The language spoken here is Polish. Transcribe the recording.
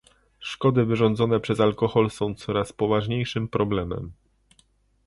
Szkody wyrządzone przez alkohol są coraz poważniejszym problemem